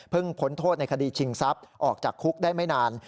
พ้นโทษในคดีชิงทรัพย์ออกจากคุกได้ไม่นาน